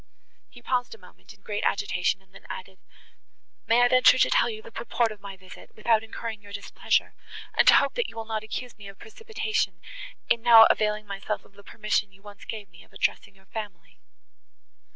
He paused a moment, in great agitation, and then added, "May I venture to tell you the purport of my visit, without incurring your displeasure, and to hope, that you will not accuse me of precipitation in now availing myself of the permission you once gave me of addressing your family?"